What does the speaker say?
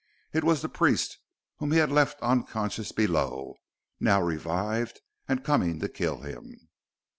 It was the priest, whom he had left unconscious below, now revived and coming to kill him.